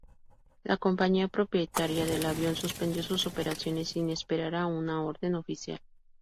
La compañía propietaria del avión suspendió sus operaciones sin esperar a una orden oficial.